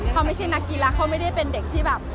เขาไม่ใช่นักกีฬาเขาไม่ได้เป็นเด็กที่แบบ